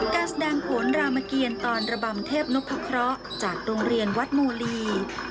การแสดงผลรามเกียรตอนระบำเทพนกพคร้าวจากโรงเรียนวัดมูลี